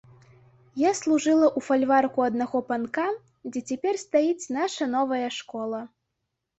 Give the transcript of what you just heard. Я служыла ў фальварку аднаго панка, дзе цяпер стаіць наша новая школа.